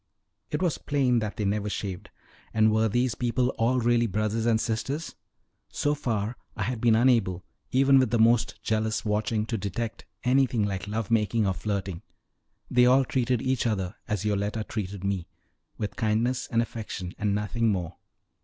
It was plain that they never shaved. And were these people all really brothers and sisters? So far, I had been unable, even with the most jealous watching, to detect anything like love making or flirting; they all treated each other, as Yoletta treated me, with kindness and affection, and nothing more.